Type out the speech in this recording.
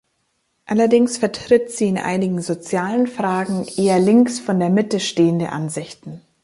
Allerdings vertritt sie in einigen sozialen Fragen eher links von der Mitte stehende Ansichten.